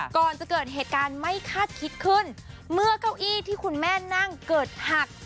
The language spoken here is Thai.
ก่อนจะเกิดเหตุการณ์ไม่คาดคิดขึ้นเมื่อเก้าอี้ที่คุณแม่นั่งเกิดหัก